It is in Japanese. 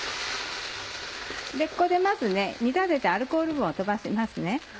ここでまず煮立ててアルコール分を飛ばしますね。